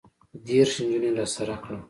دېرش نجونې راسره کړه.